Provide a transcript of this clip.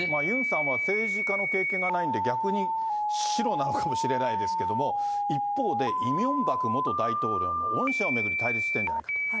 ユンさんは政治家の経験がないんで、逆に白なのかもしれないですけれど、一方で、イ・ミョンバク元大統領の恩赦を巡り対立してるんじゃないかと。